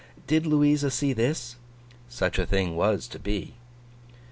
Did Louisa see this? Such a thing was to be.